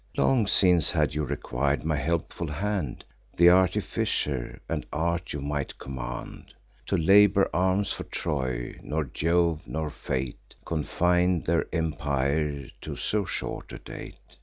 Long since, had you requir'd my helpful hand, Th' artificer and art you might command, To labour arms for Troy: nor Jove, nor fate, Confin'd their empire to so short a date.